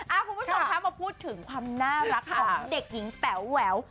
คุณผู้ชมคะมาพูดถึงความน่ารักของเด็กหญิงแป๋วแหวว